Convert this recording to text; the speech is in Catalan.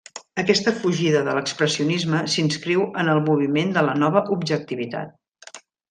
Aquesta fugida de l'expressionisme s'inscriu en el moviment de la Nova Objectivitat.